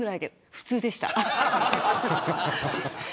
普通でした。